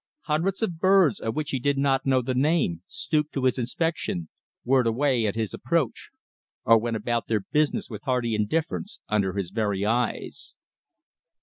Hundreds of birds, of which he did not know the name, stooped to his inspection, whirred away at his approach, or went about their business with hardy indifference under his very eyes.